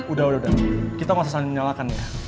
udah udah udah kita gak sesal nyalakan ya